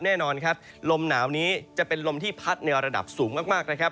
แน่นอนครับลมหนาวนี้จะเป็นลมที่พัดในระดับสูงมากนะครับ